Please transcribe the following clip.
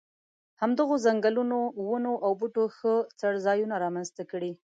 همدغو ځنګلونو ونو او بوټو ښه څړځایونه را منځته کړي.